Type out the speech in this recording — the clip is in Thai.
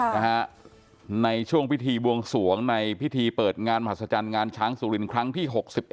นะฮะในช่วงพิธีบวงสวงในพิธีเปิดงานมหัศจรรย์งานช้างสุรินครั้งที่๖๑